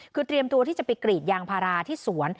คือเตรียมตัวที่จะไปกรีดยางพาราที่สวน